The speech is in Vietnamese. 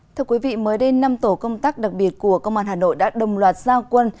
thưa quý vị mới đây năm tổ công tác đặc biệt của công an hà nội đã đồng loạt giao quân